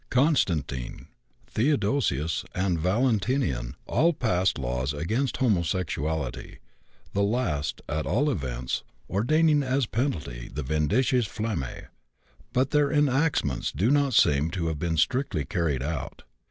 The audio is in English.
Constantine, Theodosius, and Valentinian all passed laws against homosexuality, the last, at all events, ordaining as penalty the vindices flammæ; but their enactments do not seem to have been strictly carried out.